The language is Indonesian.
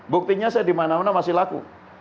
buktinya saya dimana mana masih laku